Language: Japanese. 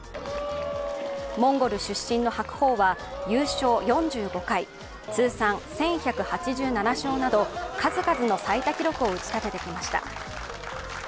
モンゴル出身の白鵬は、優勝４５回通算１１８７勝など数々の最多記録を打ち立ててきました。